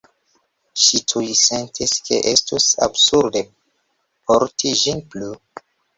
Ŝi tuj sentis ke estus absurde porti ĝin plu.